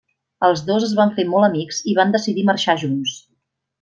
Els dos es van fer molt amics i van decidir marxar junts.